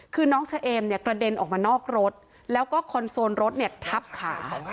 คือน้องเฉเอมเนี่ยกระเด็นออกมานอกรถแล้วก็คอนโซลรถเนี่ยทับขา